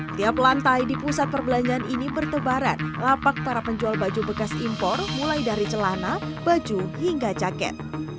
tiap lantai di pusat perbelanjaan ini bertebaran lapak para penjual baju bekas impor mulai dari celana baju hingga jaket